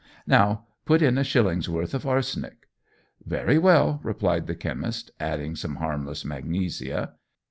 "Now put in a shilling's worth of arsenic." "Very well," replied the chemist, adding some harmless magnesia.